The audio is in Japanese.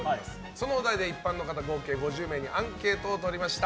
そのお題で一般の方合計５０名にアンケートを取りました。